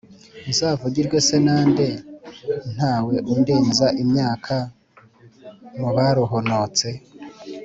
Nzavugirwe se na nde Ntawe undenza imyaka Mu baruhonotse?